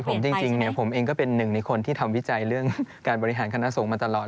ผมจริงผมเองก็เป็นหนึ่งในคนที่ทำวิจัยเรื่องการบริหารคณะสงฆ์มาตลอด